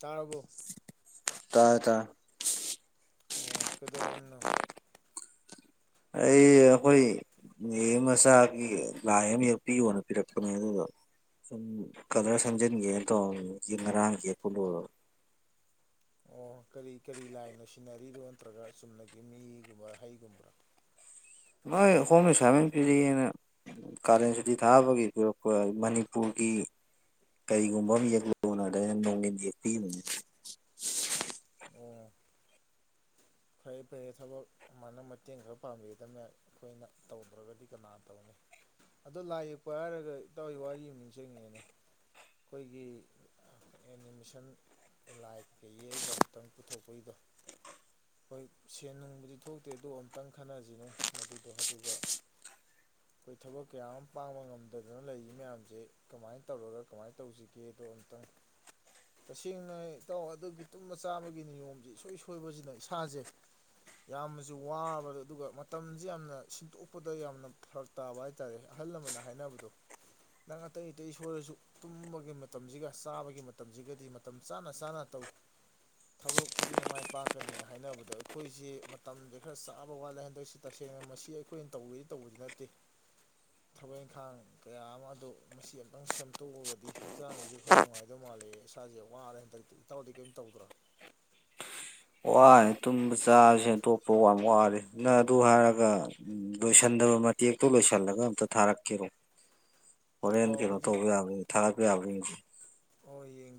ꯇꯥꯔꯒꯣ ꯇꯥꯏ ꯇ ꯑꯣ ꯀꯩꯗꯧꯔꯝꯅꯣ ꯑꯩ ꯍꯣꯏ ꯃ ꯃꯁꯆꯥꯒꯤ ꯂꯥꯏ ꯑꯃ ꯌꯦꯛꯄꯤꯌꯣꯅ ꯄꯤꯔꯛꯄꯅꯦ ꯑꯗꯨꯗꯣ ꯀꯗ꯭ꯔ ꯁꯦꯝꯝꯖꯤꯟꯒꯦꯅ ꯇꯣ ꯉꯔꯥꯡꯒꯤ ꯀꯂ [inaudible] ꯑꯣ ꯀꯔꯤ ꯀꯔꯤ ꯂꯥꯏꯅ ꯁꯤꯟꯅꯔꯤꯅꯣ ꯅꯠꯇ꯭ꯔꯒ ꯆꯨꯝꯅꯒꯤ ꯃꯤꯒꯨꯝꯕꯥ ꯍꯩꯒꯨꯝꯕ꯭ꯔꯥ ꯅ ꯍꯣꯝꯁꯃꯤ ꯄꯤꯔꯤꯅ ꯀꯥꯔꯦꯟ ꯁꯨꯇꯤ ꯊꯥꯕꯒꯤꯁꯨ ꯃꯅꯤꯄꯨꯔꯒꯤ ꯀꯔꯤꯒꯨꯝꯕ ꯑꯃ ꯌꯦꯛꯂꯨꯅ ꯑ ꯌꯦꯁꯤ ꯑꯣ ꯐꯔꯦ ꯐꯔꯦ ꯊꯕꯛ ꯑꯗꯨꯃꯥꯏꯅ ꯃꯇꯦꯡ ꯈꯔ ꯄꯥꯡꯕꯤꯒꯗꯕꯅꯦ ꯑꯩꯈꯣꯏꯅ ꯇꯧꯗ꯭ꯔꯒꯗꯤ ꯀꯅꯥ ꯇꯧꯅꯤ ꯑꯗꯣ ꯂꯥꯏ ꯌꯦꯛꯄ ꯍꯥꯏꯔꯒ ꯏꯇꯥꯎꯏ ꯋꯥꯔꯤ ꯑꯃ ꯅꯤꯡꯁꯤꯡꯉꯦꯅꯦ ꯑꯩꯈꯣꯏꯒꯤ ꯑꯦꯅꯤꯃꯦꯁꯟ ꯑꯦꯂꯥꯏꯠꯀ ꯌꯦꯛꯑꯒ ꯑꯃꯨꯇꯪ ꯄꯨꯊꯣꯛꯄꯩꯗꯣ ꯍꯣꯏ ꯁꯦꯟ ꯅꯨꯡꯕꯨꯗꯤ ꯊꯣꯛꯇꯦ ꯑꯗꯨꯗ ꯑꯃꯨꯛꯇꯪ ꯈꯟꯅꯁꯤꯅꯦ ꯃꯗꯨꯗꯣ ꯑꯗꯨꯒ [inaudible] ꯑꯩꯈꯣꯏ ꯊꯕꯛ ꯀꯌꯥ ꯑꯃ ꯄꯥꯡꯕ ꯉꯝꯗꯗꯅ ꯂꯩꯔꯤ ꯃꯌꯥꯝꯁꯦ ꯀꯃꯥꯏꯅ ꯇꯧꯔꯒ ꯀꯃꯥꯏꯅ ꯇꯧꯁꯤꯒꯦꯗꯣ ꯑꯃꯨꯛꯇꯪ [inaudible] ꯇꯁꯦꯡꯅ ꯏꯇꯥꯎ ꯑꯗꯨꯒꯤ ꯇꯨꯝꯕ ꯆꯥꯕꯒꯤ ꯅꯤꯌꯣꯝꯁꯦ ꯁꯨꯡꯣꯏ ꯁꯣꯏꯕꯁꯤꯅ ꯏꯁꯥꯁꯦ ꯌꯥꯝꯅꯁꯨ ꯋꯥꯕꯗ ꯑꯗꯨꯒ ꯃꯇꯝꯁꯦ ꯌꯥꯝꯅ ꯁꯤꯟꯇꯣꯛꯄꯗ ꯌꯥꯝꯅ ꯐꯔꯛ ꯇꯥꯕ ꯍꯥꯏꯇꯥꯔꯦ ꯑꯍꯜ ꯂꯃꯟꯅ ꯍꯥꯏꯅꯕꯗꯣ ꯅꯪ ꯑꯇꯩ ꯑꯇꯩ ꯁꯣꯏꯔꯁꯨ ꯇꯨꯝꯕꯒꯤ ꯃꯇꯝꯁꯤꯒ ꯆꯥꯕꯒꯤ ꯃꯇꯝꯁꯤꯒꯗꯤ ꯃꯇꯝ ꯆꯥꯅ ꯆꯥꯅ ꯊꯕꯛ ꯈꯨꯗꯤꯡꯃꯛ ꯃꯥꯏ ꯄꯥꯛꯀꯅꯤ ꯑ ꯍꯥꯏꯅꯕꯗꯣ ꯑꯩꯈꯣꯏꯁꯤ ꯃꯇꯝꯁꯦ ꯈꯔ ꯆꯥꯕ ꯋꯥꯠꯂꯦ ꯍꯟꯗꯣꯛꯏꯁꯤ ꯇꯁꯦꯡꯅ ꯃꯁꯤ ꯑꯩꯈꯣꯏꯅ ꯇꯧꯔꯤꯗꯤ ꯇꯧꯕꯁꯤꯅ [inaudible] ꯊꯕꯛ ꯏꯪꯈꯥꯡ ꯀꯌꯥ ꯑꯃ ꯑꯗꯨ ꯃꯁꯤ ꯑꯃꯨꯛꯇꯪ ꯁꯦꯝꯗꯣꯛꯎꯒꯗꯤ ꯍꯛꯆꯥꯡꯒꯤꯁꯨ ꯈꯔ ꯅꯨꯡꯉꯥꯏꯗꯧ ꯃꯥ ꯃꯥꯂꯦ ꯏꯁꯥꯁꯦ ꯋꯥꯔꯦ ꯍꯟꯗꯛꯇ ꯏꯇꯥꯎꯗꯤ ꯀꯔꯤꯝ ꯇꯧꯗ꯭ꯔꯣ [inaudible] ꯋꯥꯔꯦ ꯇꯨꯝꯕ ꯆꯥꯕꯁꯦ ꯑꯇꯣꯞꯄ ꯋꯥ ꯋꯥꯔꯦ ꯅꯪ ꯑꯗꯨ ꯍꯥꯏꯔꯒ ꯂꯣꯏꯁꯟꯗꯕ ꯑ ꯃꯇꯦꯛꯇꯣ ꯂꯣꯏꯁꯤꯜꯂꯒ ꯑꯝꯇ ꯊꯥꯔꯛꯀꯦꯔꯣ ꯍꯣꯔꯦꯟ ꯑꯣ ꯀꯩꯅꯣ ꯍꯧꯖꯤꯛ ꯇꯧꯕ ꯌꯥꯕꯅꯤ ꯊꯥꯒꯛꯄ ꯌꯥꯕꯅꯤ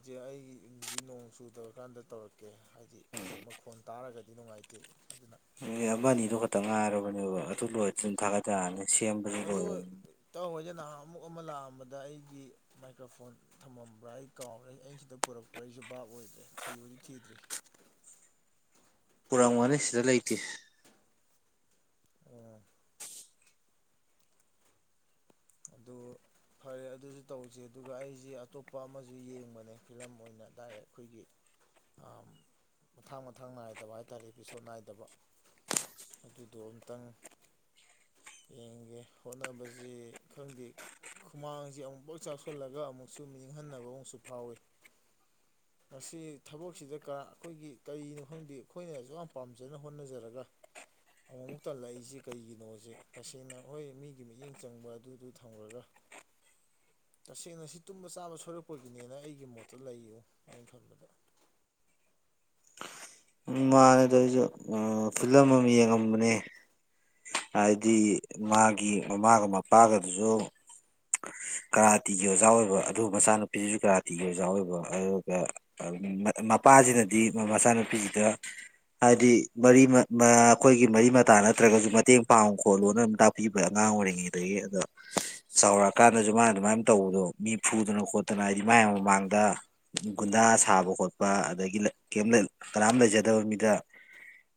ꯍꯧꯦ ꯑꯩꯒꯤꯖꯤꯛ ꯅꯣꯡ ꯆꯨꯗꯧꯔꯀꯥꯟꯗ ꯇꯧꯔꯛꯀꯦ ꯍꯥꯏꯗꯤ ꯍꯧꯖꯤꯛ ꯃꯈꯣꯟ ꯇꯥꯔꯒꯗꯤ ꯅꯨꯡꯉꯥꯏꯇꯦ ꯑꯗꯨꯅ ꯅ ꯑꯃꯅꯤ ꯑꯅꯤꯗꯨꯣ ꯈꯛꯇ ꯉꯥꯏꯔꯕꯅꯦꯕ ꯑꯗꯨ ꯂꯣꯏ ꯑꯗꯨꯅ ꯊꯥꯒꯠꯆꯛꯑꯅꯤ ꯑꯗꯨ ꯇꯧꯑꯣꯖꯦ ꯅꯍꯥꯟ ꯑꯃꯨꯛ ꯑꯃ ꯂꯥꯛꯑꯝꯕꯗ ꯑꯩꯒꯤ ꯃꯥꯏꯀ꯭ꯔꯣꯐꯣꯟ ꯊꯝꯃꯝꯕ꯭ꯔꯥ ꯑꯩ ꯀꯥꯎꯝꯕ꯭ꯔꯥ ꯑꯩ ꯑꯩꯩꯅ ꯁꯤꯗ ꯄꯨꯔꯛꯄ꯭ꯔꯥ ꯑꯩꯁꯨꯕ ꯑꯣ ꯑꯣꯏꯗ꯭ꯔꯦ ꯊꯤꯕꯗꯤ ꯊꯤꯗ꯭ꯔꯤ [inaudible] ꯄꯨꯔꯛꯕꯅꯤ ꯁꯤꯗ ꯂꯩꯇꯦ ꯑꯣ ꯑꯗꯨ ꯐꯔꯦ ꯑꯗꯨꯁꯨ ꯇꯧꯁꯦ ꯑꯗꯨꯒ ꯑꯩꯁꯦ ꯑꯇꯣꯞꯄ ꯑꯃꯁꯨ ꯌꯦꯡꯕꯅꯦ ꯐꯤꯂꯝ ꯑꯣꯏꯅ ꯗꯥꯏꯔꯦꯛ ꯑꯩꯈꯣꯏꯒꯤ ꯃꯊꯥꯡ ꯃꯊꯥꯡ ꯅꯥꯏꯗꯕ ꯍꯥꯏ ꯇꯥꯔꯦ ꯑꯦꯄꯤꯁꯣꯠ ꯅꯥꯏꯗꯕ ꯑꯗꯨꯗꯣ ꯑ ꯑꯃꯨꯇꯪ ꯌꯦꯡꯒꯦ ꯍꯣꯠꯅꯕꯁꯤ ꯈꯪꯗꯦ ꯈꯨꯃꯥꯡꯁꯤ ꯑꯃꯨꯛꯐꯥꯎ ꯆꯥꯎꯁꯤꯜꯂꯒ ꯑꯃꯨꯛꯁꯨ ꯅꯤꯡꯍꯟꯅꯕ ꯑꯃꯨꯛꯁꯨ ꯐꯥꯎꯏꯤ [inaudible] ꯃꯁꯤ ꯊꯕꯛꯁꯤꯗ ꯑꯩꯈꯣꯏꯒꯤ ꯀꯔꯤꯅꯣ ꯈꯪꯗꯦ ꯑꯩꯈꯣꯏꯅꯁꯨ ꯌꯥꯝ ꯄꯥꯝꯖꯅ ꯍꯣꯠꯅꯖꯔꯒ ꯑꯃꯨꯛ ꯑꯃꯨꯛ ꯇꯜꯂꯛꯏꯁꯦ ꯀꯩꯒꯤꯅꯣꯁꯦ ꯇꯁꯦꯡꯅ ꯍꯣꯏ ꯃꯤꯒꯤ ꯃꯤꯠꯌꯦꯡ ꯆꯪꯕ ꯑꯗꯨꯗꯨ ꯊꯝꯈ꯭ꯔꯒ [inaudible] ꯇꯁꯦꯡꯅ ꯁꯤ ꯇꯨꯝꯕ ꯆꯥꯕ ꯁꯣꯏꯔꯛꯄꯒꯤꯅꯦꯅ ꯑꯩꯒꯤ ꯃꯣꯠꯇ ꯂꯩꯨ ꯑꯩꯅ ꯊꯟꯂꯗ ꯎꯝ ꯃꯥꯅꯦꯗ ꯑꯩꯁꯨ ꯐꯤꯂꯝ ꯑꯃ ꯌꯦꯡꯉꯝꯕꯅꯦ ꯍꯥꯏꯗꯤ ꯃꯥꯒꯤ ꯃꯃꯥꯒ ꯃꯄꯥꯒꯗꯨꯁꯨ ꯀꯔꯥꯇꯤꯒꯤ ꯑꯣꯖꯥ ꯑꯣꯏꯕ ꯑꯗꯨ ꯃꯆꯥꯅꯨꯄꯤꯗꯨꯁꯨ ꯀꯥꯔꯥꯇꯤꯒꯤ ꯑꯣꯖꯥ ꯑꯣꯏꯕ ꯑꯗꯨꯒ ꯃꯄꯥꯁꯤꯅꯗꯤ ꯃꯆꯥꯅꯨꯄꯤꯁꯤꯗ ꯍꯥꯏꯗꯤ ꯃꯔꯤ ꯑꯩꯈꯣꯏꯒꯤ ꯃꯔꯤ ꯃꯇꯥ ꯅꯠꯇ꯭ꯔꯒꯁꯨ ꯃꯇꯦꯡ ꯄꯥꯡꯨ ꯈꯣꯠꯂꯣꯅ ꯑꯗꯨꯝ ꯇꯥꯛꯄꯤꯕ ꯑꯉꯥꯡ ꯍꯉ ꯑꯗꯨ ꯑꯗ ꯆꯥꯎꯔꯛꯑ ꯀꯥꯟꯗꯁꯨ ꯃꯥꯅ ꯑꯗꯨꯃꯥꯏꯅ ꯇꯧꯕꯗꯣ ꯃꯤ ꯐꯨꯗꯅ ꯈꯣꯠꯇꯅ ꯍꯥꯏꯗꯤ ꯃꯌꯥꯝ ꯃꯃꯥꯡꯗ ꯒꯨꯟꯗꯥ ꯁꯥꯕ ꯈꯣꯠꯄ ꯑꯗꯒꯤ ꯀꯅꯥꯝ ꯂꯩꯖ ꯀꯗꯕ ꯃꯤꯗ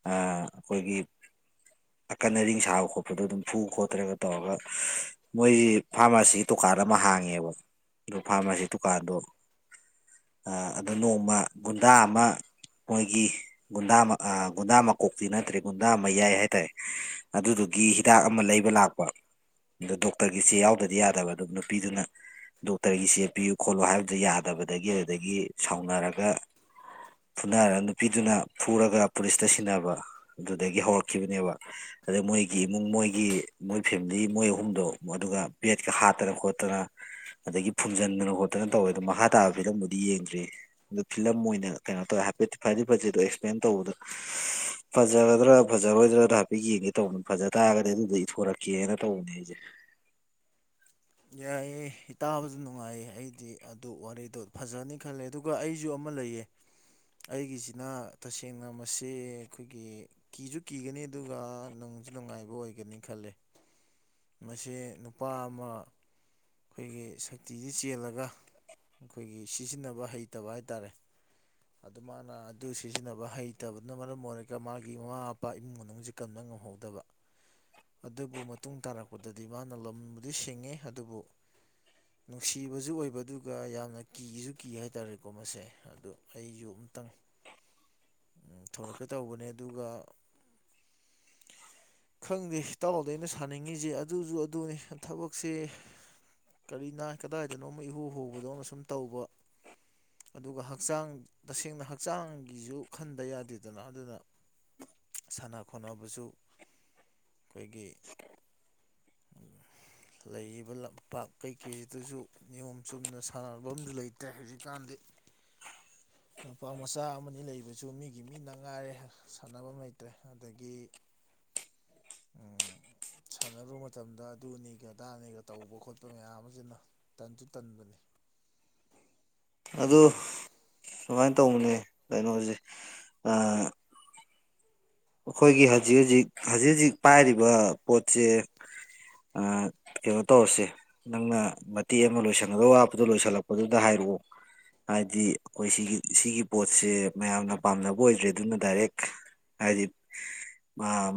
ꯑꯩꯈꯣꯏꯒꯤ ꯑꯀꯟ ꯑꯔꯤꯡ ꯁꯥꯕ ꯈꯣꯠꯄꯗꯣ ꯑꯗꯨꯝ ꯐꯨ ꯈꯣꯠꯇ꯭ꯔꯒ ꯇꯧꯔꯒ ꯃꯣꯏꯁꯤ ꯐꯥꯔꯃꯥꯁꯤꯒꯤ ꯇ ꯗꯨꯀꯥꯟ ꯑꯃ ꯍꯥꯡꯉꯦꯕ ꯑꯗꯨ ꯐꯥꯔꯃꯥꯁꯤ ꯗꯨꯀꯥꯟꯗꯣ ꯑꯗꯨ ꯅꯣꯡꯃ ꯒꯨꯟꯗꯥ ꯑꯃ ꯃꯣꯏꯒꯤ ꯒꯨꯟꯗꯥ ꯒꯨꯟꯗꯥ ꯃꯀꯣꯛꯇꯤ ꯅꯠꯇ꯭ꯔꯦ ꯒꯨꯟꯗꯥ ꯃꯌꯥꯏ ꯍꯥꯏꯇꯥꯔꯦ ꯑꯗꯨꯗꯨꯒꯤ ꯍꯤꯗꯥꯛ ꯑꯃ ꯂꯩꯕ ꯂꯥꯛꯄ ꯑ ꯗꯣꯛꯇꯔꯒꯤ ꯆꯦ ꯌꯥꯎꯗꯗꯤ ꯌꯥꯗꯕ ꯑꯗꯨꯝ ꯅꯨꯄꯤꯗꯨꯅ ꯗꯣꯛꯇꯔꯒꯤ ꯆꯦꯞꯄꯤꯌꯨ ꯈꯣꯠꯂꯨ ꯍꯥꯏꯕꯗꯨ ꯌꯥꯗꯕꯗꯒꯤ ꯑꯗꯨꯗꯒꯤ ꯁꯥꯎꯅꯔꯒ ꯐꯨꯅꯥꯔꯒ ꯅꯨꯄꯤꯗꯨꯅ ꯐꯨꯔꯒ ꯄꯨꯂꯤꯁꯇ ꯁꯤꯟꯅꯕ ꯑꯗꯨꯗꯒꯤ ꯍꯧꯔꯛꯈꯤꯕꯅꯦꯕ ꯑꯗꯨꯗ ꯃꯣꯏꯒꯤ ꯏꯃꯨꯡ ꯃꯣꯏꯒꯤ ꯃꯣꯏ ꯐꯦꯃꯤꯂꯤ ꯃꯣꯏ ꯑꯍꯨꯝꯗꯣ ꯑꯗꯨꯒ ꯕꯦꯠꯀ ꯍꯥꯠꯇꯅ ꯈꯣꯠꯇꯅ ꯑꯗꯒꯤ ꯐꯨꯝꯖꯤꯟꯗꯅ ꯈꯣꯠꯇꯅ ꯐꯅ ꯇꯧꯋꯦ ꯑꯗꯣ ꯃꯈꯥ ꯇꯥꯕ ꯐꯤꯂꯝꯕꯨꯗꯤ ꯌꯦꯡꯗ꯭ꯔꯤ ꯑꯗꯨꯗꯣ ꯐꯤꯂꯝ ꯑꯣꯏꯅ ꯀꯩꯅꯣ ꯇꯧꯋꯦ ꯍꯥꯏꯐꯦꯠꯇ ꯐꯔꯗꯤ ꯐꯖꯦꯗꯣ ꯄꯦꯟ ꯇꯧꯕꯗ ꯐꯖꯒꯗ꯭ꯔꯥ ꯐꯖꯔꯣꯏꯗ꯭ꯔꯗ ꯍꯥꯏꯐꯦꯠ ꯌꯦꯡꯒꯦ ꯇꯧꯕꯅꯤ ꯐꯖ ꯇꯥꯔꯒꯗꯤ ꯑꯗꯨꯗ ꯏꯊꯣꯔꯛꯀꯦꯅ ꯇꯧꯕꯅꯦ ꯑꯩꯁꯦ [inaudible] ꯌꯥꯏꯌꯦꯦ ꯇꯥꯕꯗ ꯅꯨꯡꯉꯥꯏꯌꯦ ꯑꯩꯗꯤ ꯑꯗꯨ ꯋꯥꯔꯤꯗꯣ ꯐꯖꯅꯤ ꯈꯜꯂꯦ ꯑꯗꯨꯒ ꯑꯩꯁꯨ ꯑꯃ ꯂꯩꯌꯦ [inaudible] ꯑꯩꯒꯤꯁꯤꯅ ꯇꯁꯦꯡꯅ ꯃꯁꯤ ꯑꯩꯈꯣꯏꯒꯤ ꯀꯤꯁꯨ ꯀꯤꯒꯅꯤ ꯑꯗꯨꯒ ꯅꯪꯁꯨ ꯅꯨꯡꯉꯥꯏꯕ ꯑꯣꯏꯒꯅꯤ ꯈꯜꯂꯦ [unintelligible] ꯃꯁꯤ ꯅꯨꯄꯥ ꯑꯃ ꯑꯩꯈꯣꯏꯒꯤ ꯁꯛꯇꯁꯤ ꯆꯦꯜꯂꯒ ꯑꯩꯈꯣꯏꯒꯤ ꯁꯤꯖꯤꯟꯅꯕ ꯍꯩꯇꯕ ꯍꯥꯏ ꯇꯥꯔꯦ ꯑꯗꯨ ꯃꯥꯅ ꯑꯗꯨ ꯁꯤꯖꯤꯟꯅꯕ ꯍꯩꯇꯕꯅ ꯃꯔꯝ ꯑꯣꯏꯔꯒ ꯃꯥꯒꯤ ꯃꯃꯥ ꯃꯄꯥ ꯏꯃꯨꯡ ꯃꯅꯨꯡꯁꯤ ꯀꯟꯅꯕ ꯉꯝꯍꯧꯗꯕ [unintelligible] ꯑꯗꯨꯕꯨ ꯃꯇꯨꯡ ꯇꯥꯔꯛꯄꯗꯗꯤ ꯃꯥꯅ ꯂꯝꯕꯨꯗꯤ ꯁꯤꯡꯉꯤ ꯑꯗꯨꯕꯨ [unintelligible] ꯅꯨꯡꯁꯤꯕꯁꯨ ꯑꯣꯏꯕ ꯑꯗꯨꯒ ꯌꯥꯝꯅ ꯀꯤꯁꯨ ꯀꯤ ꯍꯥꯏꯇꯥꯔꯦꯀꯣ ꯃꯁꯦ ꯑꯗꯣ ꯑꯩꯁꯨ ꯑꯝꯇꯪ [unintelligible] ꯊꯣꯔꯛꯀꯦ ꯇꯧꯕꯅꯦ ꯑꯗꯨꯒ [unintelligible] ꯈꯪꯗꯦꯇꯥꯎꯔꯥꯎꯗ ꯑꯩꯅ ꯁꯥꯅꯤꯡꯉꯤꯁꯦ ꯑꯗꯨꯁꯨ ꯑꯗꯨꯅꯤ ꯊꯕꯛꯁꯦ ꯀꯔꯤꯅ ꯀꯗꯥꯏꯗꯅꯣ ꯏꯍꯨ ꯍꯨꯕꯗꯅ ꯁꯨꯝ ꯇꯧꯕ ꯑꯗꯨꯒ ꯍꯛꯆꯥꯡ ꯇꯁꯦꯡꯅ ꯍꯛꯆꯥꯡꯒꯤꯁꯨ ꯈꯟꯗ ꯌꯥꯗꯦꯗꯅ ꯑꯗꯨꯅ ꯁꯥꯟꯅ ꯈꯣꯠꯅꯕꯁꯨ ꯑꯩꯈꯣꯏꯒꯤ ꯂꯩꯔꯤꯕ ꯂꯝꯄꯥꯛ ꯀꯩꯀꯩꯁꯤꯗꯁꯨ ꯅꯤꯌꯣꯝ ꯆꯨꯝꯅ ꯁꯥꯟꯅꯕ ꯑꯁꯨ ꯂꯩꯇ꯭ꯔꯦ ꯍꯧꯖꯤꯛꯀꯥꯟꯗꯤ ꯅꯨꯄꯥ ꯃꯆꯥ ꯑꯃꯅꯤ ꯂꯩꯕꯁꯨ ꯃꯤꯒꯤ ꯃꯤꯅ ꯉꯥꯏꯔꯦ ꯁꯥꯟꯅꯐꯝ ꯂꯩꯇ꯭ꯔꯦ ꯑꯗꯒꯤ [unintelligible] ꯁꯥꯟꯅꯔꯨꯕ ꯃꯇꯝꯗ ꯑꯗꯨꯅꯤꯒ ꯑꯗꯥꯅꯤꯒ ꯇꯧꯕ ꯈꯣꯠꯄ ꯃꯌꯥꯝ ꯑꯃꯅ ꯇꯟꯁꯨ ꯇꯟꯕꯅꯤ [unintelligible] ꯑꯗꯨ ꯁꯨꯃꯥꯏꯅ ꯇꯧꯕꯅꯦ ꯀꯩꯅꯣꯁꯦ ꯑꯩꯈꯣꯏꯒꯤ ꯍꯧꯖꯤꯛ ꯍꯧꯖꯤꯛ ꯍꯧꯖꯤꯛ ꯍꯧꯖꯤꯛ ꯄꯥꯏꯔꯤꯕ ꯄꯣꯠꯁꯦ ꯀꯩꯅꯣ ꯇꯧꯔꯁꯦ ꯅꯪꯅ ꯃꯇꯦꯛ ꯑꯃ ꯂꯣꯏꯁꯤꯟꯒꯗꯕ ꯋꯥꯕꯗꯨꯣ ꯂꯣꯏꯁꯤꯜꯂꯛꯄꯗꯨꯗ ꯍꯥꯏ ꯎꯨ ꯍꯥꯏꯗꯤ ꯑꯩꯈꯣꯏ ꯁꯤꯒꯤ ꯁꯤꯒꯤ ꯄꯣꯠꯁꯦ ꯃꯌꯥꯝꯅ ꯄꯥꯝꯅꯕ ꯑꯣꯏꯗ꯭ꯔꯦ ꯑꯗꯨꯅ ꯗꯥꯏꯔꯦꯛ ꯍꯥꯏꯖꯤ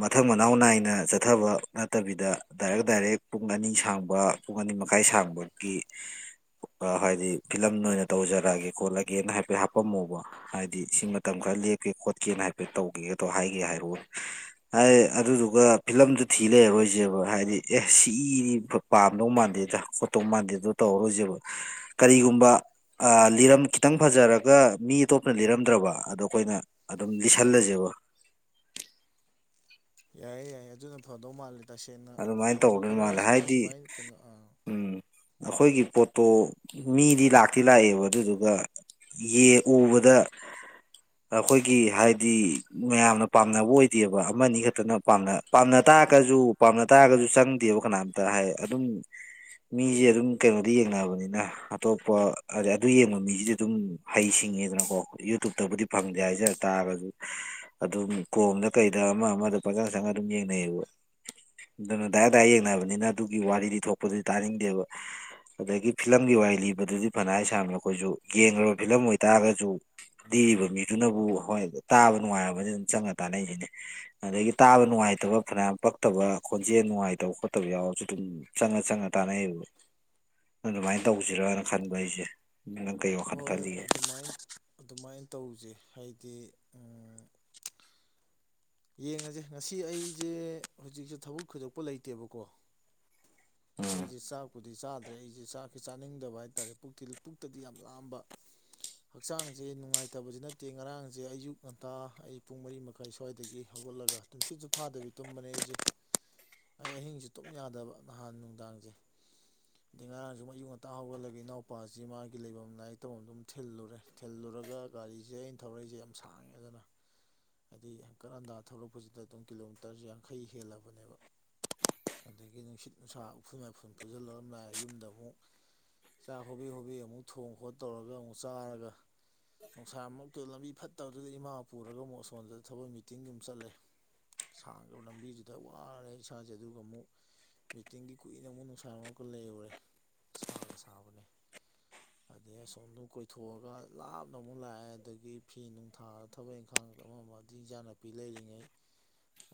ꯃꯊꯪ ꯃꯅꯥꯎ ꯅꯥꯏꯅ ꯆꯠꯊꯕ ꯅꯠꯇꯕꯤꯗ ꯗꯥꯏꯔꯦꯛ ꯗꯥꯏꯔꯦꯛ ꯄꯨꯡ ꯑꯅꯤ ꯁꯥꯡꯕ ꯄꯨꯡ ꯑꯅꯤ ꯃꯈꯥꯏ ꯁꯥꯡꯕꯒꯤ ꯍꯥꯏꯗꯤ ꯐꯤꯂꯝ ꯑꯣꯏꯅ ꯇꯧꯖꯔꯛꯑꯒꯦ ꯈꯣꯠꯂꯒꯦꯅ ꯍꯥꯏꯐꯦꯠ ꯍꯥꯄꯝꯃꯨꯕ ꯍꯥꯏꯗꯤ ꯁꯤ ꯃꯇꯝ ꯈꯔ ꯂꯦꯞꯀꯦ ꯈꯣꯠꯀꯦꯅ ꯍꯥꯏꯐꯦꯠ ꯇꯧꯒꯦꯗꯣ ꯍꯥꯏꯒꯦ ꯍꯥꯏꯔꯨ ꯍꯥꯏ ꯑꯗꯨꯗꯨꯒ ꯐꯤꯂꯝꯗꯨ ꯊꯤ ꯂꯩꯈꯣꯏꯁꯦꯕ ꯍꯥꯏꯗꯤ ꯑꯦ ꯁꯤꯗꯤ ꯄꯥꯝꯗꯧ ꯃꯥꯥꯟꯂ ꯗ ꯈꯣꯠꯇꯣꯛ ꯃꯥꯟꯗꯦꯗ ꯇꯧꯔꯔꯣꯏꯁꯦꯕ ꯀꯔꯤꯒꯨꯝꯕ ꯂꯤꯔꯝ ꯈꯤꯇꯪ ꯐꯖꯔꯒ ꯃꯤ ꯑꯇꯣꯞꯅ ꯂꯤꯔꯝꯗ꯭ꯔꯕ ꯑꯗꯣ ꯑꯩꯈꯣꯏꯅ ꯑꯗꯨꯝ ꯂꯤꯁꯜꯂꯁꯦꯕ ꯌꯥꯏꯌꯦ ꯌꯥꯏꯌꯦ ꯑꯗꯨꯅ ꯐꯗꯧ ꯃꯥꯜꯂꯦ ꯇꯁꯦꯡꯅ ꯑꯗꯨꯃꯥꯏꯅ ꯃꯇꯝ ꯇꯧꯗꯣꯏ ꯈꯔ ꯃꯥꯜꯂꯦ ꯁꯨꯃꯥꯏ ꯍꯥꯏꯗꯤ ꯁꯨꯃꯥꯏ ꯀꯩꯅꯣ ꯑ ꯎꯝ ꯑꯩꯈꯣꯏꯒꯤ ꯄꯣꯠꯇꯣ ꯃꯤꯗꯤ ꯂꯥꯛꯇꯤ ꯂꯥꯛꯑꯦꯕ ꯑꯗꯨꯗꯨꯒ ꯌꯦ ꯎꯕꯗ ꯑꯩꯈꯣꯏꯒꯤ ꯍꯥꯏꯗꯤ ꯃꯌꯥꯝꯅ ꯄꯥꯝꯅꯕ ꯑꯣꯏꯗꯦꯕ ꯑꯃꯅꯤ ꯑ ꯈꯛꯇꯅ ꯄꯝ ꯄꯥꯝꯅ ꯇꯥꯛꯔꯒꯁꯨ ꯄꯥꯝꯅ ꯇꯥꯔꯒꯁꯨ ꯆꯪꯗꯦꯕ ꯀꯅꯥꯝꯇ ꯍꯥꯏ ꯑꯗꯨꯝ ꯃꯤꯁꯦ ꯑꯗꯨꯝ ꯀꯩꯅꯣꯗ ꯌꯦꯡꯅꯕꯅꯤꯅ ꯑꯇꯣꯞꯄ ꯍꯥꯏꯗꯤ ꯑꯗꯨ ꯌꯦꯡꯕ ꯃꯤꯁꯤꯗꯤ ꯑꯗꯨꯝ ꯍꯩꯁꯤꯡ ꯉꯗꯅꯀꯣ ꯌꯨꯇꯨꯕꯇꯕꯨꯗꯤ ꯐꯪꯗꯦ ꯍꯥꯏꯖ ꯇꯥꯔꯁꯨ ꯑꯗꯨꯝ ꯀꯣꯝꯗ ꯀꯩꯗ ꯑꯃ ꯑ ꯄꯖꯥ ꯆꯉ ꯑꯗꯨꯝ ꯌꯦꯡꯅꯕ ꯑꯗꯨꯅ ꯗꯥꯏ ꯗꯥꯏ ꯌꯦꯡꯅꯕꯅꯤꯅ ꯑꯗꯨꯒꯤ ꯋꯥꯔꯤꯗꯤ ꯊꯣꯛꯄꯗꯨꯗꯤ ꯇꯥꯅꯤꯡꯗꯦꯕ ꯑꯗꯒꯤ ꯐꯤꯂꯝꯒꯤ ꯋꯥꯔꯤ ꯂꯤ ꯕꯗꯨꯗꯤ ꯐꯅ ꯑꯩ ꯁꯥꯝꯅ ꯑꯩꯈꯣꯏꯁꯨ ꯌꯦꯡꯈꯕ ꯐꯤꯂꯝ ꯑꯣꯏꯇꯥꯔꯒꯁꯨ ꯔꯤꯕ ꯃꯤꯗꯨꯅꯕꯨ ꯍꯣꯏ ꯇꯥꯕ ꯅꯨꯡꯉꯥꯏꯕꯅꯤ ꯑꯗꯨꯝ ꯆꯪꯉ ꯇꯥꯅ ꯑꯩꯁꯤꯅꯦ ꯑꯗꯒꯤ ꯇꯥꯕ ꯅꯨꯡꯉꯥꯏ ꯍꯥꯏꯕ ꯐ꯭ꯔꯄ ꯐꯠꯇꯕ ꯈꯣꯟꯖꯦꯜ ꯅꯨꯡꯉꯥꯏꯇꯕ ꯈꯣꯠꯇꯕ ꯌꯥꯎꯔꯁꯨ ꯑꯗꯨꯝ ꯆꯪꯉ ꯆꯪꯉ ꯇꯥꯟꯅꯩꯌꯦꯕ ꯑꯗꯨꯃꯥꯏꯅ ꯇꯧꯁꯤꯔꯅ ꯈꯟꯕ ꯑꯩꯁꯦ ꯅꯪ ꯀꯩ ꯋꯥꯈꯜ ꯍꯣꯏ ꯈꯜꯂꯤꯒꯦ ꯑꯗꯨꯃꯥꯏꯅ ꯑꯗꯨꯃꯥꯏꯅ ꯇꯧꯁꯦ ꯍꯥꯏꯗꯤ ꯌꯦꯡꯉꯁꯦ ꯉꯁꯤ ꯑꯩꯁꯦ ꯍꯧꯖꯤꯛꯁꯦ ꯊꯕꯛ ꯈꯨꯣꯏꯗꯣꯛꯄ ꯂꯩꯇꯦꯕꯀꯣ ꯎꯝ ꯑꯩꯁꯦ ꯆꯥ ꯀꯗꯤ ꯆꯥꯗ ꯑꯗꯩ ꯑꯩꯁꯦ ꯆꯥꯛꯁꯤ ꯆꯥꯅꯤꯡꯗꯕ ꯍꯥꯏꯇꯥꯥꯔꯦ ꯄꯨ ꯄꯨꯛꯇꯗꯤ ꯌꯥꯝ ꯂꯥꯝꯕ ꯍꯛꯆꯥꯡꯁꯦ ꯅꯨꯡꯉꯥꯏꯇꯕꯕꯁꯤ ꯅꯠꯇꯦ ꯉꯔꯥꯡꯁꯦ ꯑꯌꯨꯛ ꯉꯟꯇꯥ ꯑꯩ ꯄꯨꯡ ꯃꯔꯤ ꯃꯈꯥꯏ ꯁ꯭ꯋꯥꯏꯗꯒꯤ ꯒꯤ ꯍꯧꯒꯠꯂꯒ ꯇꯨꯝꯁꯤꯠꯁꯨ ꯐꯥꯗꯕꯤ ꯇꯨꯝꯕꯅꯦ ꯑꯩꯁꯦ ꯑꯩ ꯑꯍꯤꯡꯁꯨ ꯇꯨꯝ ꯌꯥꯗꯕ ꯅꯍꯥꯟ ꯅꯨꯡꯗꯥꯡꯁꯦ ꯑꯗꯩ ꯉꯔꯥꯡꯁꯨ ꯑꯌꯨꯛ ꯉꯟꯇꯥ ꯍꯧꯒꯠꯂꯒ ꯏꯅꯥꯎꯄꯥꯁꯤ ꯃꯥꯒꯤ ꯂꯩꯐꯝ ꯂꯥꯏꯏ ꯇꯧꯐꯝ ꯑꯗꯨꯝ ꯊꯤꯜꯂꯨꯔꯦ ꯊꯤꯜꯂꯨꯔꯦ ꯄꯨꯔꯒ ꯒꯥꯔꯤꯁꯦ ꯑꯩꯅ ꯊꯧꯔꯛꯏꯁꯦ ꯌꯥꯝ ꯁꯥꯡꯉꯦ ꯑꯗꯨꯅ ꯍꯥꯏꯗꯤ ꯀꯔꯟꯗꯥ ꯊꯣꯛꯂꯛꯄꯁꯤꯗ ꯑꯗꯨꯝ ꯀꯤꯂꯣꯃꯤꯇꯔꯁ ꯌꯥꯡꯈꯩ ꯍꯦꯜꯂꯕꯅꯦꯕ ꯑꯗꯒꯤ ꯅꯨꯡꯁꯤꯠ ꯅꯨꯡꯁꯥ ꯎꯐꯨꯜ ꯃꯥꯏꯐꯨꯜ ꯄꯨꯁꯤꯜꯂꯔꯝꯗꯥꯏ ꯌꯨꯝꯗ ꯑꯃꯨꯛ ꯆꯥꯛ ꯍꯣꯕꯤ ꯍꯣꯕꯤ ꯑꯃꯨꯛ ꯊꯣꯡ ꯈꯣꯠ ꯇꯧꯔꯒ ꯑꯃꯨꯛ ꯆꯥꯔꯒ ꯅꯨꯡꯁꯥꯃꯛꯇ ꯂꯝꯕꯤ ꯐꯠꯇꯕꯗꯨꯗ ꯏꯃꯥ ꯄꯨꯔꯒ ꯑꯃꯨꯛ ꯑꯁꯣꯟꯗ ꯊꯕꯛ ꯃꯤ ꯐꯇꯤꯡ ꯌꯝ ꯆꯠꯂꯦ ꯁꯥꯡ꯭ꯔꯕ ꯂꯝꯕꯤꯗꯨꯗ ꯋꯥꯔꯦ ꯏꯁꯥꯁꯦ ꯑꯗꯨꯒ ꯑꯃꯨꯛ ꯃꯤꯇꯤꯡꯒꯤ ꯀꯨꯏꯅ ꯑꯃꯨꯛ ꯅꯨꯡꯁꯥ ꯑꯃꯔꯒ ꯂꯩꯔꯨꯔꯦ ꯁꯥꯒ ꯁꯥꯕꯅꯦ ꯑꯗꯩ ꯑꯁꯣꯝꯗ ꯀꯣꯏꯊꯣꯛꯑꯒ ꯂꯥꯞꯅ ꯑꯃꯨꯛ ꯂꯥꯛꯑꯦ ꯑꯗꯒꯤ ꯐꯤ ꯅꯨꯡ ꯊꯥꯔ ꯊꯕꯛ ꯏꯪꯈꯥꯡ ꯑꯃ ꯏꯟꯖꯥꯡ ꯅꯥꯄꯤ ꯂꯩꯔꯤꯉꯩ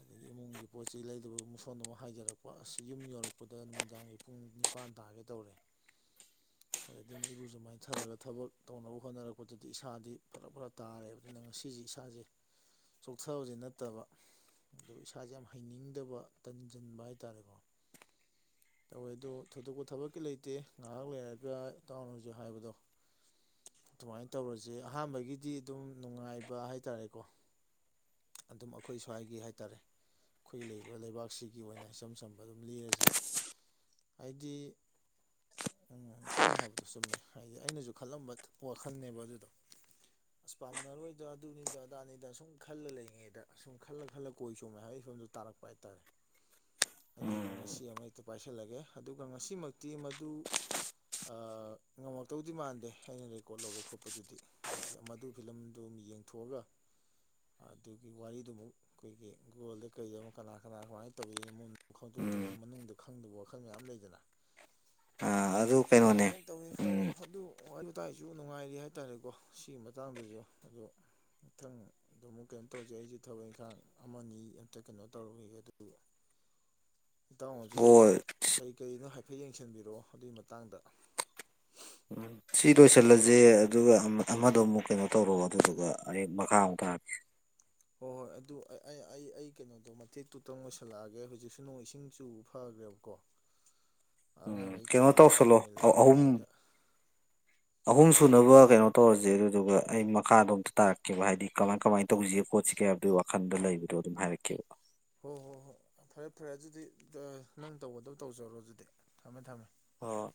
ꯑꯗꯒꯤ ꯏꯃꯨꯡꯒꯤ ꯄꯣꯠ ꯆꯩ ꯂꯩꯗꯕ ꯃꯨꯁꯣꯟꯗ ꯑꯃꯨꯛ ꯍꯥꯏꯖꯔꯛꯄ ꯑꯁꯤꯁ ꯌꯨꯝ ꯌꯧꯔꯛꯄꯗ ꯅꯨꯃꯤꯗꯥꯡꯒꯤ ꯄꯨꯡ ꯅꯤꯄꯥꯟ ꯇꯥꯒꯦ ꯇꯧꯔꯦ [inaudible] ꯑꯗꯩꯗꯤ ꯏꯔꯨꯖꯨ ꯃꯥꯏꯅꯊꯔꯒ ꯊꯕꯛ ꯇꯧꯅꯕ ꯍꯣꯠꯅꯔꯛꯄꯗꯗꯤ ꯏꯁꯥꯗꯤ ꯐꯔꯛ ꯐꯔ ꯇꯥꯔꯦꯕ ꯑꯗꯨꯅ ꯉꯁꯤ ꯏꯁꯥꯁꯦ [inaudible] ꯆꯣꯛꯊꯕꯗꯤ ꯅꯠꯇꯕ ꯏꯁꯥꯁꯦ ꯌꯥꯝ ꯍꯩꯅꯤꯡꯗꯕ ꯇꯟꯁꯤꯟꯕ ꯍꯥꯏꯇꯥꯥꯔꯦꯀꯣ [inaudible] ꯇꯧꯋꯦ ꯑꯗꯨꯗ ꯊꯣꯏꯗꯣꯛꯄ ꯊꯕꯛꯀꯤ ꯂꯩꯇꯦ ꯉꯥꯏꯍꯥꯛ ꯂꯩꯔꯒ ꯏꯇꯥꯎꯅꯁ ꯍꯥꯏꯕꯗꯣ ꯑꯗꯨꯃꯥꯏꯅ ꯇꯧꯔꯁꯦ ꯑꯍꯥꯟꯕꯒꯤꯗꯤ ꯑꯗꯨꯝ ꯅꯨꯡꯉꯥꯏꯕ ꯍꯥꯏꯇꯥꯔꯦꯀꯣ ꯑꯗꯨꯝ ꯑꯩꯈꯣꯏ ꯁ꯭ꯋꯥꯏꯒꯤ ꯍꯥꯏꯇꯥꯔꯦ ꯑꯩꯈꯣꯏꯒꯤ ꯂꯩꯔꯤꯕ ꯂꯩꯕꯥꯛꯁꯤꯒꯤ ꯑꯣꯏꯅ ꯏꯆꯝ ꯆꯝꯕ ꯑꯗꯨꯝ ꯂꯤꯔꯁꯤ ꯑꯩꯒꯤ ꯎꯝ ꯇꯧꯅ ꯍꯥꯏꯕꯗꯨꯣ ꯆꯨꯝꯃꯦ ꯍꯥꯏꯗꯤ ꯑꯩꯅꯁꯨ ꯈꯜꯂꯝꯕ ꯄꯣꯠ ꯈꯟꯅꯟꯅꯦꯕ ꯑꯗꯨꯗꯣ ꯑꯁ ꯄꯥꯝꯅꯔꯣꯏꯗ ꯑꯗꯨꯅꯤꯗ ꯑꯗꯥꯅꯤꯗ ꯁꯨꯝ ꯈꯜꯂ ꯂꯩꯔꯤꯉꯩꯗ ꯁꯁꯨꯝ ꯈꯜꯂ ꯈꯜꯂ ꯀꯣꯏ ꯁꯨꯝ ꯃꯍꯒꯤ ꯁꯝꯗ ꯇꯥꯔꯛꯄ ꯍꯥꯏꯇꯥꯔꯦ ꯑꯗꯨꯗꯨꯅ ꯉꯁꯤ ꯑꯃ ꯍꯦꯛꯇ ꯄꯥꯏꯁꯤꯜꯂꯒꯦ ꯑꯗꯨꯒ ꯉꯁꯤꯃꯛꯇꯤ ꯃꯗꯨ ꯉꯝꯃꯛꯇꯧꯗꯤ ꯃꯥꯟꯗꯦ ꯑꯩꯅ ꯔꯦꯀꯣꯔꯠ ꯂꯧꯕ ꯈꯣꯠꯄꯗꯨꯗꯤ ꯍꯥꯏꯗꯤ ꯃꯗꯨ ꯐꯤꯂꯝꯗꯨ ꯌꯦꯡꯊꯣꯛꯑꯒ [inaudible] ꯑꯗꯨꯒꯤ ꯋꯥꯔꯤꯗꯨꯃꯨꯛ ꯑꯩꯈꯣꯏꯒꯤ ꯒꯨꯒꯜꯗ ꯀꯩꯗ ꯑꯃꯨꯛ ꯀꯅꯥ ꯀꯅꯥ ꯀꯃꯥꯏꯅ ꯇꯧꯏꯅꯣ ꯃꯉꯗ ꯈꯣꯡꯗꯣꯛꯇ꯭ꯔꯤꯉ ꯃꯅꯨꯡꯗ ꯈꯪꯗꯕ ꯋꯥꯈꯜ ꯃꯌꯥꯝ ꯂꯩꯗꯅ ꯑ ꯑꯗꯨ ꯀꯩꯅꯣꯅꯦ ꯑꯗꯨꯃꯥꯏꯅ ꯇꯧꯋꯤ ꯐꯔꯦ ꯎꯝ ꯑꯗꯨ ꯋꯥꯔꯤ ꯋꯥꯇꯥꯏꯁꯨ ꯅꯨꯡꯉꯥꯏꯔꯤ ꯍꯥꯏꯇꯥꯔꯦꯀꯣ ꯁꯤꯒꯤ ꯃꯇꯥꯡꯗꯁꯨ ꯑꯗꯣ ꯏꯊꯪ ꯑꯗꯨ ꯑꯃꯨꯛ ꯀꯩꯅꯣ ꯇꯧꯖꯩ ꯑꯩꯁꯦ ꯊꯕꯛ ꯏꯪꯈꯥꯡ ꯑꯃꯅꯤ ꯑꯝꯇ ꯀꯩꯅꯣ ꯇꯧꯔꯨꯏ ꯑꯗꯨ ꯏꯇꯥꯎꯅꯖꯨ ꯍꯣꯏ ꯀꯩ ꯀꯩꯅꯣ ꯍꯥꯏꯐꯦꯠ ꯌꯦꯡꯁꯟꯕꯤꯔꯛꯑꯣ ꯑꯗꯨꯏ ꯃꯇꯥꯡꯗ ꯁꯤ ꯂꯣꯏꯁꯤꯜꯂꯁꯦ ꯑꯗꯨꯒ ꯑꯃꯗꯣ ꯑꯃꯨꯛ ꯀꯩꯅꯣ ꯇꯧꯔꯣꯑꯣ ꯑꯗꯨꯗꯨꯒ ꯑꯩ ꯃꯈꯥꯃꯨꯛ ꯇꯥꯔꯀꯦ ꯍꯣꯏ ꯍꯣꯏ ꯑꯗꯨ ꯑꯩ ꯑꯩ ꯑꯩ ꯑꯩ ꯀꯩꯅꯣꯗꯣ ꯃꯇꯦꯛꯇꯨꯇꯪ ꯑꯣꯏꯣꯏꯁꯜꯂꯛꯑꯒꯦ ꯍꯧꯖꯤꯛꯁꯨ ꯅꯣꯡ ꯏꯁꯤꯡ ꯆꯨꯕ ꯐꯈ꯭ꯔꯦ ꯇꯀꯣ [inaudible] ꯑꯉꯥꯡꯈꯩ ꯀꯩꯅꯣ ꯀꯩꯀꯩ ꯇꯧꯁꯜꯂꯣ ꯂꯥꯛꯇ꯭ꯔꯤꯉꯩ ꯑꯍꯨꯝ ꯂꯥꯡꯗ꯭ꯔꯤꯉꯩꯗ ꯑꯍꯨꯝ ꯁꯨꯅꯕ ꯀꯩꯅꯣ ꯇꯧꯔꯁꯦ ꯑꯗꯨꯗꯨꯒ ꯑꯩ ꯃꯈꯥꯗꯣ ꯑꯝꯇ ꯇꯥꯔꯛꯀꯦꯕ ꯍꯥꯏꯗꯤ ꯀꯃꯥꯏ ꯀꯃꯥꯏꯅ ꯇꯧꯁꯤꯒꯦꯣꯠꯁꯤꯒꯦ ꯀꯦꯕꯗꯨ ꯋꯥꯈꯟꯗ ꯂꯩꯕꯗꯣ ꯑꯗꯨꯝ ꯍꯥꯏꯔꯛꯀꯦꯕ ꯍꯣꯏ ꯍꯣꯏ ꯍꯣꯏ ꯐꯔꯦ ꯐꯔꯦ ꯑꯗꯨꯗꯤ ꯅꯪ ꯇꯧꯒꯗꯕ ꯇꯧꯖꯔꯣ ꯑꯗꯨꯗꯤ ꯊꯝꯃꯦ ꯊꯝꯃꯦ ꯑꯣ